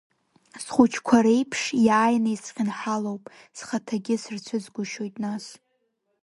Схәыҷқәа реиԥш, иааины исхьынҳалоуп, схаҭагьы сырцәыӡгәышьоит нас.